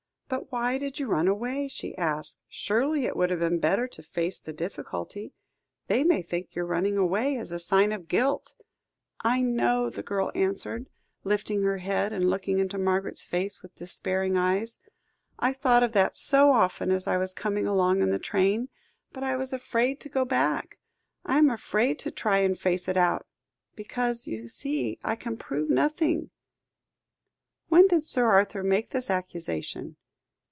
"But why did you run away?" she asked. "Surely it would have been better to face the difficulty? They may think your running away is a sign of guilt." "I know," the girl answered, lifting her head, and looking into Margaret's face with despairing eyes. "I thought of that so often as I was coming along in the train, but I was afraid to go back. I am afraid to try to face it out, because you see I can prove nothing." "When did Sir Arthur make this accusation?"